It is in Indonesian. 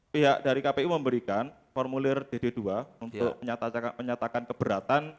pihak dari kpu memberikan formulir dd dua untuk menyatakan keberatan